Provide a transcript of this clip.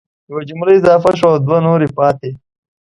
یوه جمله اضافه شوه او دوه نورې پاتي